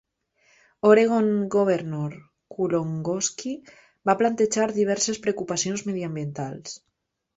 Oregon Governor Kulongoski va plantejar diverses preocupacions mediambientals.